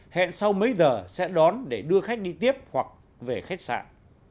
hẹn sau mấy giờ sẽ đón để đưa khách đi tiếp hoặc về khách sạn